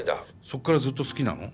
そこからずっと好きなの？